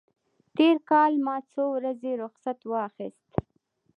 تېر کال ما څو ورځې رخصت واخیست.